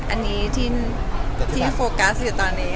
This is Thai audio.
อันนี้ที่โฟกัสอยู่ตอนนี้